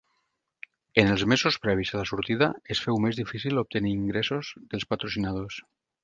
En els mesos previs a la sortida es féu més difícil obtenir ingressos dels patrocinadors.